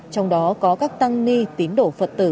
trong đó có các tăng ni tín đổ phật tử